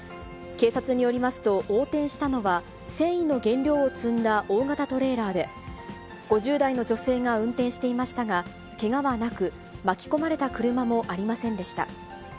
警察によりますと、横転したのは繊維の原料を積んだ大型トレーラーで、５０代の女性が運転していましたが、けがはなく、巻き込まれた車もありませんでした。